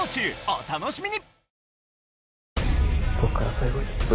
お楽しみに！